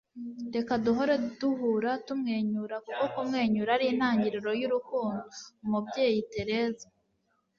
reka duhore duhura tumwenyura, kuko kumwenyura ari intangiriro y'urukundo. - umubyeyi tereza